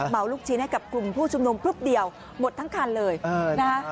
ลูกชิ้นให้กับกลุ่มผู้ชุมนุมพลึบเดียวหมดทั้งคันเลยนะคะ